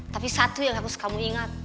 tapi satu yang harus kamu ingat